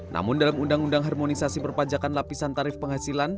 namun dalam undang undang harmonisasi perpajakan lapisan tarif penghasilan